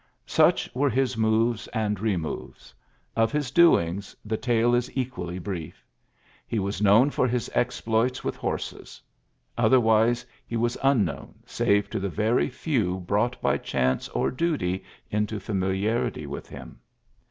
Such were his moves and remov< Of his doings the tale is equally bri< He was known for his exploits wi horses* Otherwise he was unkno'^ save to the very few brought by chan or duty into fiamiliarity with him.